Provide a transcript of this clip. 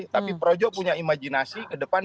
tapi projo punya imajinasi ke depan